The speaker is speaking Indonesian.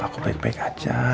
aku baik baik aja